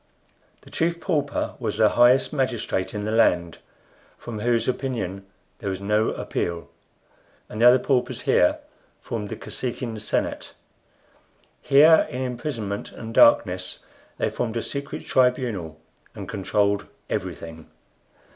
The Chief Pauper was the highest magistrate in the land, from whose opinion there was no appeal, and the other paupers here formed the Kosekin senate. Here, in imprisonment and darkness, they formed a secret tribunal and controlled everything.